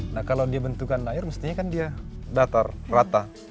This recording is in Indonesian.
nah kalau dia bentukan air mestinya kan dia datar rata